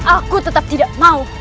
aku tetap tidak mau